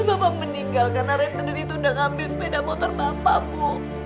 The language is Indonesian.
bapak meninggal karena rentener itu udah ngambil sepeda motor bapak ibu